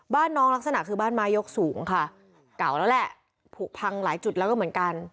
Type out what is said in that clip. บ้านน้องลักษณะคือบ้านไม้ยกสูงค่ะเก่าแล้วแหละผูกพังหลายจุดแล้วก็เหมือนกัน